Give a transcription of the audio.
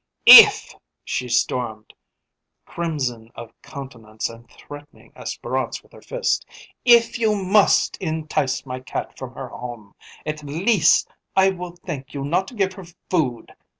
"If," she stormed, crimson of countenance, and threatening Espérance with her fist, "if you must entice my cat from her home, at least I will thank you not to give her food.